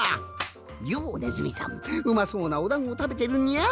「よおネズミさんうまそうなおだんごたべてるにゃあ」。